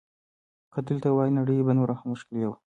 که ته دلته وای، نړۍ به نوره هم ښکلې وه.